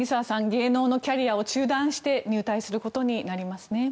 芸能のキャリアを中断して入隊することになりますね。